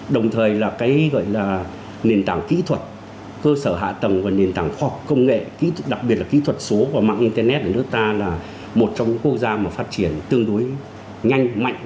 đồng thời là cái gọi là nền tảng kỹ thuật cơ sở hạ tầng và nền tảng khoa học công nghệ kỹ đặc biệt là kỹ thuật số và mạng internet ở nước ta là một trong những quốc gia mà phát triển tương đối nhanh mạnh